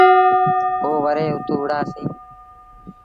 پو وري اُت وُهڙآسيٚݩ۔